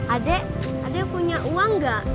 adek adek punya uang nggak